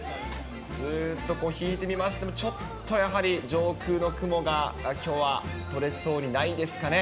ずっと引いてみましても、ちょっとやはり、上空の雲が、きょうは取れそうにないですかね。